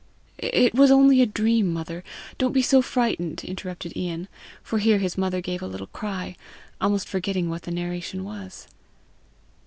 "It was only a dream, mother! don't be so frightened," interrupted lan, for here his mother gave a little cry, almost forgetting what the narration was.